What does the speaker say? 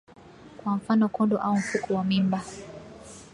kwa mfano kondo au mfuko wa mimba